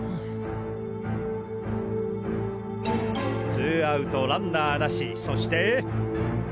ツーアウトランナー無しそして。